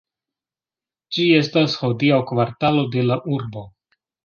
Ĝi estas hodiaŭ kvartalo de la urbo.